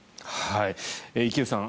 池内さん